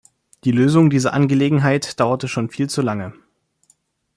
Die Lösung dieser Angelegenheit dauert schon viel zu lange.